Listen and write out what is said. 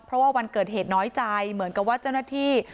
เพราะว่าวันเกิดเหตุน้อยใจเหมือนกับว่าเจ้าหน้าที่